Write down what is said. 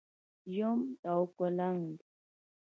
🪏 یوم او کولنګ⛏️